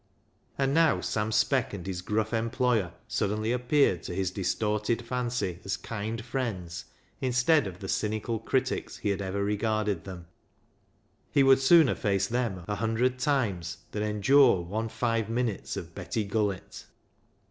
And now Sam Speck and his gruff employer suddenly appeared to his distorted fancy as kind friends, instead of the cynical critics he had ever regarded them. He would sooner face them a hundred times than endure one five minutes of Betty Gullett.